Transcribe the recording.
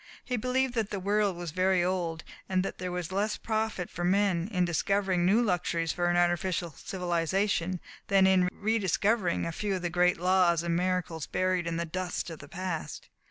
He believed that the world was very old, and that there was less profit for men in discovering new luxuries for an artificial civilization than in re discovering a few of the great laws and miracles buried in the dust of the past.